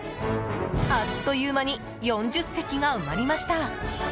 あっという間に４０席が埋まりました。